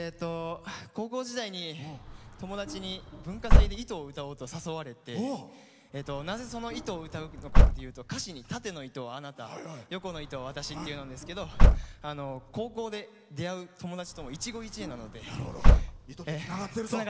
高校時代に友達に文化祭で「糸」を歌おうと誘われて、なんでその「糸」を歌うのかっていうと歌詞に「縦の糸はあなた横の糸は私」っていうのがあるんですけど高校で出会う友達と一期一会なので。